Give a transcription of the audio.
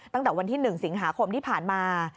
ตั้งแต่วันที่๑สิงหาคมที่ผ่านมา